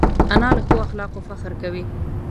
انا له ښو اخلاقو فخر کوي